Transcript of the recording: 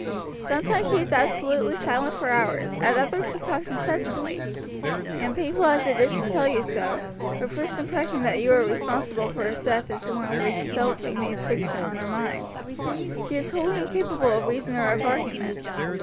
"Sometimes she is absolutely silent for hours, at others she talks incessantly; and painful as it is to tell you so, her first impression that you were responsible for his death is the one which still remains fixed on her mind. She is wholly incapable of reason or of argument.